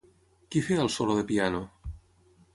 Qui feia el solo de piano?